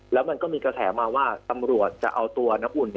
แล้วมันก็มีกระแสมาว่าตำรวจจะเอาตัวน้ำอุ่น